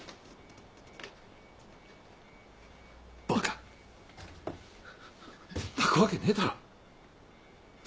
バカ。泣くわけねえだろ。